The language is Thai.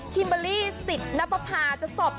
สวัสดีครับ